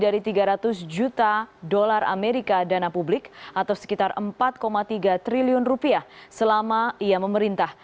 dolar amerika dana publik atau sekitar empat tiga triliun rupiah selama ia memerintah